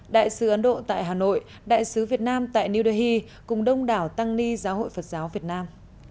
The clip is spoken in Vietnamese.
đại sứ ấn độ tại hà nội đại sứ việt nam tại new delhi cùng đông đảo tăng ni giáo hội phật giáo việt nam